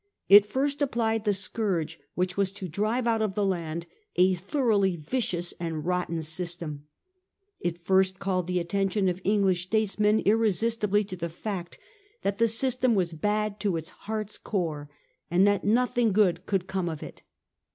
It first applied the scourge which was to drive out of the land a thoroughly vicious and rotten system. It first called the attention of English statesmen irre sistibly to the fact that the system was bad to its heart's core, and that nothing good could come of it.